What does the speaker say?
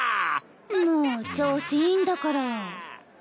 もう調子いいんだから。